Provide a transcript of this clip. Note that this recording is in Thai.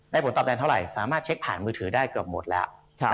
ผลตอบแทนเท่าไหร่สามารถเช็คผ่านมือถือได้เกือบหมดแล้ว